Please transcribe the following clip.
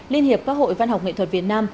liên hiệp các hội văn học nghệ thuật việt nam